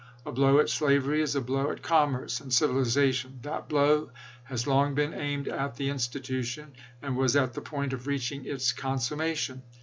.. A blow at slavery is a blow at commerce and civilization. That blow has been long aimed at the institution, and was at the point of reaching its con summation.